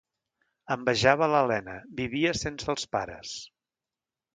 Envejava l'Elena; vivia sense els pares.